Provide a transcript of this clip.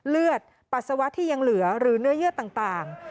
ปัสสาวะที่ยังเหลือหรือเนื้อเยื่อต่าง